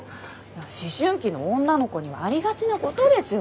思春期の女の子にはありがちな事ですよ